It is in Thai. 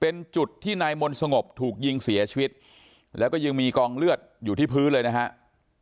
เป็นจุดที่นายมนต์สงบถูกยิงเสียชีวิตแล้วก็ยังมีกองเลือดอยู่ที่พื้นเลยนะครับ